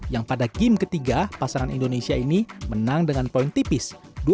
yang pada game ketiga pasangan indonesia ini menang dengan poin tipis dua